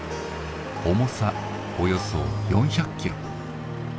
重さおよそ４００キロ。